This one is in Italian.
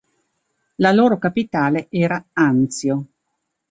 La loro capitale era Anzio.